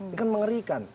ini kan mengerikan